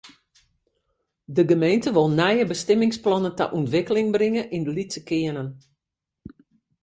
De gemeente wol nije bestimmingsplannen ta ûntwikkeling bringe yn de lytse kearnen.